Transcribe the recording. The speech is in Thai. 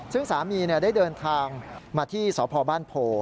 ซึ่งสามีได้เดินทางมาที่สพบ้านโพ